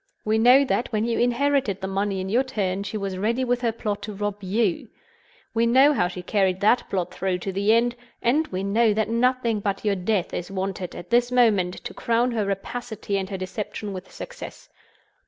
We know that, when you inherited the money in your turn, she was ready with her plot to rob you. We know how she carried that plot through to the end; and we know that nothing but your death is wanted, at this moment, to crown her rapacity and her deception with success.